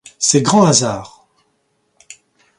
C’est grand hasard.